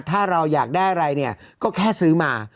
ถ้าเราอยากได้อะไรเนี่ยก็แค่ซื้อมา